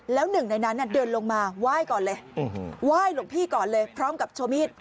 แล้วหนึ่งในนั้นเดินลงมาไหว้ก่อนเลยไหว้หลวงพี่ก่อนเลยพร้อมกับโชว์มีด